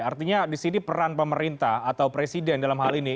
artinya disini peran pemerintah atau presiden dalam hal ini